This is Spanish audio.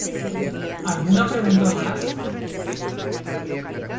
¿Alguna pregunta más?